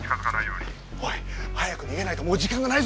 おい早く逃げないともう時間がないぞ！